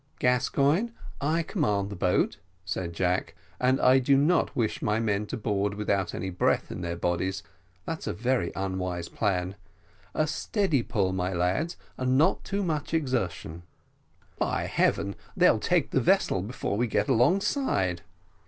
"Gascoigne, I command the boat," said Jack, "and I do not wish my men to board without any breath in their bodies that's a very unwise plan. A steady pull, my lads, and not too much exertion." "By heavens, they'll take the vessel before we get alongside."